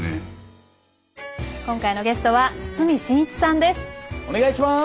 今回のゲストは堤真一さんです。